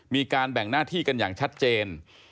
มีการแบ่งหน้าที่กันอย่างชัดเจน